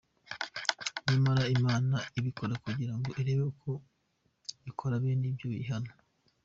Nyamara Imana ibikora kugira ngo irebe ko ukora bene ibyo yihana.